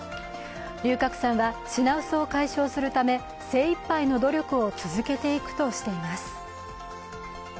龍角散は品薄を解消するため精いっぱいの努力を続けていくとしています。